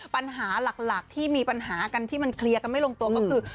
ปัญหาหลักที่มีปัญหากันที่มันเคลียร์กันไม่ลงตัวก็คือ